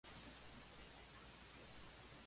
Sus padres fueron Nazario Sánchez y Adelaida Balmaceda.